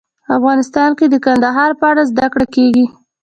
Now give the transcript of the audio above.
افغانستان کې د کندهار په اړه زده کړه کېږي.